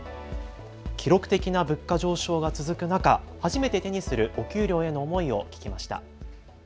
記録的な物価上昇が続く中、初めて手にするお給料への思いを聞きました。